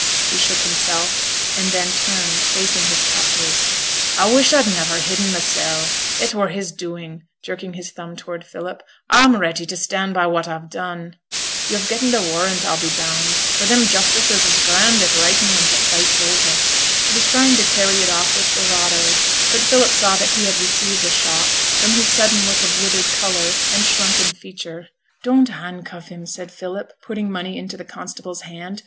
He shook himself, and then turned, facing his captors. 'A wish a'd niver hidden mysel'; it were his doing,' jerking his thumb toward Philip: 'a'm ready to stand by what a've done. Yo've getten a warrant a'll be bound, for them justices is grand at writin' when t' fight's over.' He was trying to carry it off with bravado, but Philip saw that he had received a shock, from his sudden look of withered colour and shrunken feature. 'Don't handcuff him,' said Philip, putting money into the constable's hand.